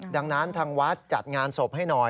ดังนั้นทางวัดจัดงานศพให้หน่อย